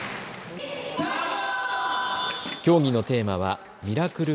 競技のテーマはミラクル☆